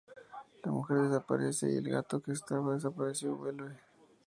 La mujer desaparece y el gato que estaba desaparecido vuelve.